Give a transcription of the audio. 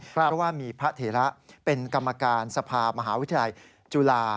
เพราะว่ามีพระเถระเป็นกรรมการสภามหาวิทยาลัยจุฬา